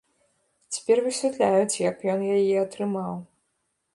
Цяпер высвятляюць, як ён яе атрымаў.